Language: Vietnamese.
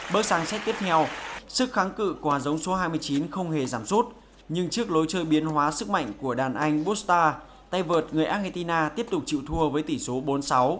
bước sang sách tiếp theo sức kháng cự của hạt giống số hai mươi chín không hề giảm rút nhưng trước lối chơi biến hóa sức mạnh của đàn anh busta tay vợt người argentina tiếp tục chịu thua với tỷ số bốn sáu